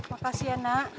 makasih ya nak